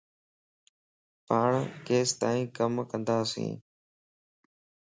پاڻ ڪيستائي ڪم ڪنداسين